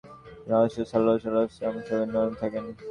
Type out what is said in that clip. রাসূল সাল্লাল্লাহু আলাইহি ওয়াসাল্লাম সম্পূর্ণ নীরব থাকেন।